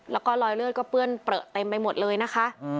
แล้วก็รอยเลือดก็เปื้อนเปลือเต็มไปหมดเลยนะคะ